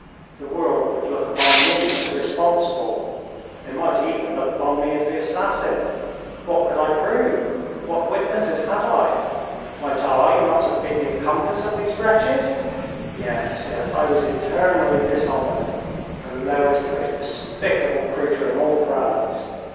The world would look upon me as responsible. They might even look upon me as the assassin. What could I prove? What witnesses had I? Might I not have been the accomplice of these wretches? Yes, yes, I was eternally dishonoured the lowest, most despicable creature in all France.